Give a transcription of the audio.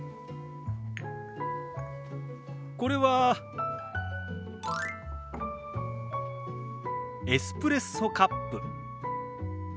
これはエスプレッソカップ。